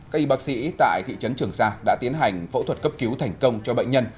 các y bác sĩ tại thị trấn trường sa đã tiến hành phẫu thuật cấp cứu thành công cho bệnh nhân